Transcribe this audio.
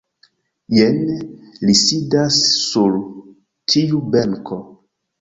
Jen li sidas sur tiu benko.